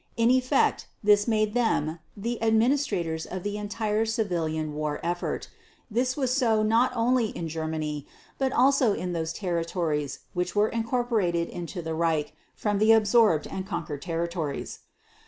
In effect, this made them the administrators of the entire civilian war effort. This was so not only in Germany, but also in those territories which were incorporated into the Reich from the absorbed and conquered territories.